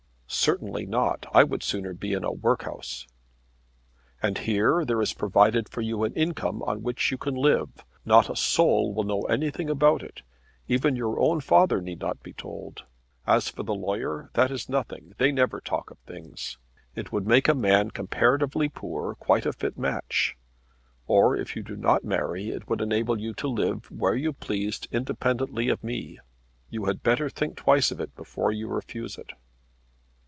"Certainly not. I would sooner be in a workhouse." "And here there is provided for you an income on which you can live. Not a soul will know anything about it. Even your own father need not be told. As for the lawyer, that is nothing. They never talk of things. It would make a man comparatively poor quite a fit match. Or, if you do not marry, it would enable you to live where you pleased independently of me. You had better think twice of it before you refuse it."